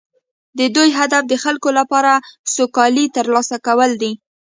د دوی هدف د خلکو لپاره سوکالي ترلاسه کول دي